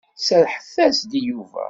Serrḥet-as-d i Yuba.